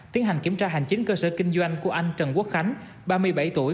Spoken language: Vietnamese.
tiến hành kiểm tra hành chính cơ sở kinh doanh của anh trần quốc khánh ba mươi bảy tuổi